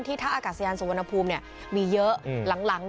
ที่ท่าอากาศยานสุวรรณภูมิเนี่ยมีเยอะหลัง